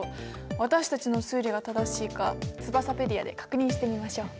私たちの推理が正しいかツバサペディアで確認してみましょう。